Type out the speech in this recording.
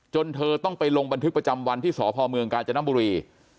เธอต้องไปลงบันทึกประจำวันที่สพเมืองกาญจนบุรี